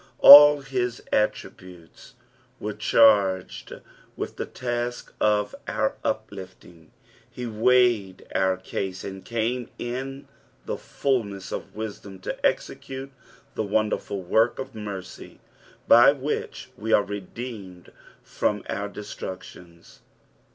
All his attributes were charged with the tBsIc of our uplifting, lie weighed our coae nnd came in the fulness of wisdopi to execute the wonderful woik of mere; b; which we are redeemed fion eiir destructions.